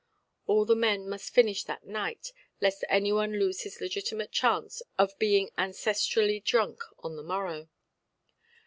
All the men must finish that night, lest any one lose his legitimate chance of being ancestrally drunk on the morrow.